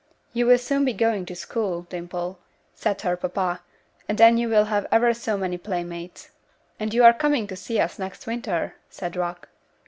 "You will soon be going to school, Dimple," said her papa, "and then you will have ever so many playmates." "And you are coming to see us next winter," said Rock.